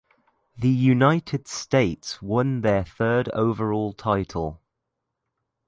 The United States won their third overall title.